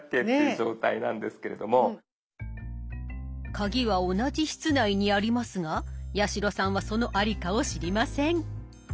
カギは同じ室内にありますが八代さんはその在りかを知りません。